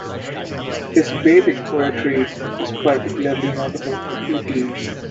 His Vedic poetry is particularly notable for two themes.